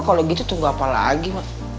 kalau gitu tuh gak apa lagi ma